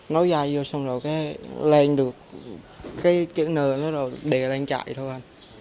nấu dài vô xong rồi lên được cái kiện nờ nó rồi để lên chạy thôi